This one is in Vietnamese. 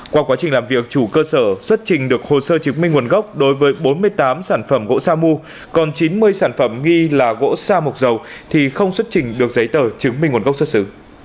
qua quá trình làm việc chủ cơ sở xuất trình được hồ sơ chứng minh nguồn gốc đối với bốn mươi tám sản phẩm gỗ sa mu còn chín mươi sản phẩm nghi là gỗ sa mộc dầu thì không xuất trình được giấy tờ chứng minh nguồn gốc xuất xứ